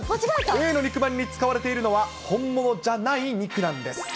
Ａの肉まんに使われているのは、本物じゃない肉なんです。